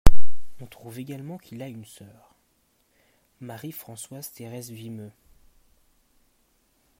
On trouve également qu'il a une sœur, Marie Françoise Thérèse Vimeux.